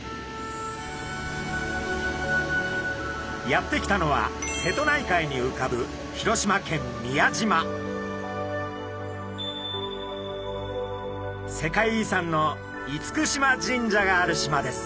やって来たのは瀬戸内海にうかぶ世界遺産の厳島神社がある島です。